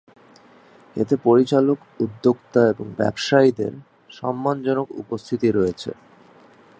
এতে পরিচালক, উদ্যোক্তা এবং ব্যবসায়ীদের সম্মানজনক উপস্থিতি রয়েছে।